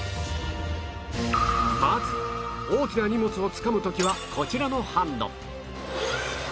まず大きな荷物をつかむ時はこちらのハンド